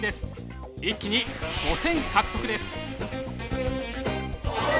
一気に５点獲得です。